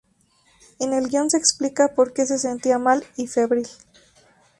En el guion se explica porque se sentía mal y febril.